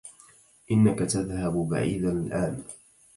إنك تذهب بعيدا الآن.